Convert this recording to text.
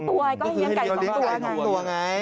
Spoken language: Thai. ๒ตัวก็ให้เลี้ยงไก่๒ตัวไง